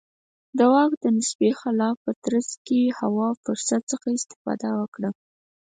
د واک د نسبي خلا په ترڅ کې هوا فرصت څخه استفاده وکړه.